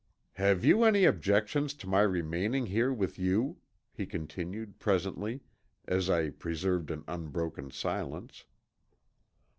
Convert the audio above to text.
"Have you any objections to my remaining here with you?" he continued presently, as I preserved an unbroken silence.